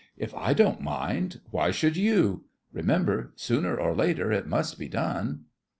If I don't mind, why should you? Remember, sooner or later it must be done.